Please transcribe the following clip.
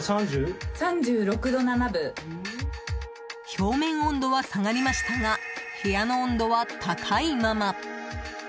表面温度は下がりましたが部屋の温度は高いまま。